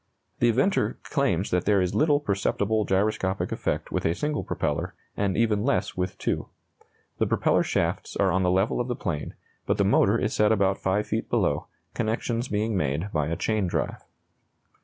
The inventor claims that there is little perceptible gyroscopic effect with a single propeller, and even less with two. The propeller shafts are on the level of the plane, but the motor is set about 5 feet below, connections being made by a chain drive.